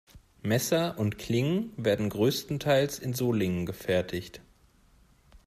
Messer und Klingen werden größtenteils in Solingen gefertigt.